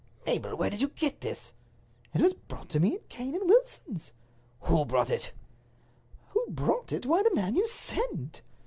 "Mabel, where did you get this?" "It was brought to me in Cane and Wilson's." "Who brought it?" "Who brought it? Why, the man you sent."